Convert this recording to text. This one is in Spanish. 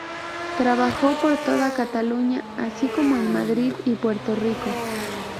Trabajó por toda Cataluña, así como en Madrid y Puerto Rico.